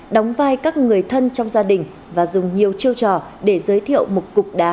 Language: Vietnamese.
đóng vai các người thân trong gia đình và dùng nhiều chiêu trò để giới thiệu một cục đá